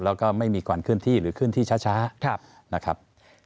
แล้วก็ไม่มีกว่าขึ้นที่หรือขึ้นที่ช้านะครับ